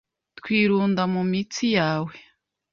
twirunda mu mitsi yawe